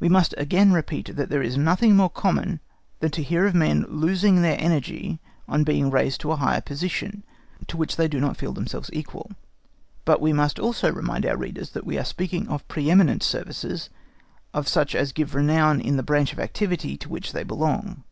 We must again repeat that there is nothing more common than to hear of men losing their energy on being raised to a higher position, to which they do not feel themselves equal; but we must also remind our readers that we are speaking of pre eminent services, of such as give renown in the branch of activity to which they belong.